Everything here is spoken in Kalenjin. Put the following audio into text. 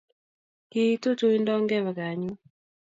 Kiitu tuindo ongebe gaa anyun